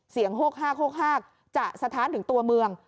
เสียงโฮกฮากโฮกฮากจะสถานถึงตัวเมือง